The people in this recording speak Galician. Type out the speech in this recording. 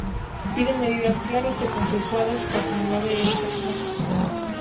Piden medidas claras e consensuadas coa comunidade educativa.